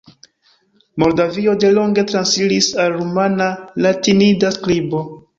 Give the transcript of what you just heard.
Moldavio delonge transiris al rumana latinida skribo.